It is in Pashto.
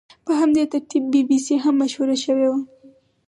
په همدې ترتیب بي بي سي هم مشهوره شوې وه.